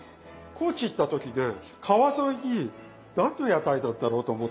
高知行った時ね川沿いに何の屋台なんだろうと思ってたんですよ。